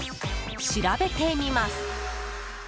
調べてみます。